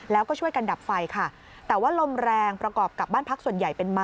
แล้วก็ช่วยกันดับไฟค่ะแต่ว่าลมแรงประกอบกับบ้านพักส่วนใหญ่เป็นม้า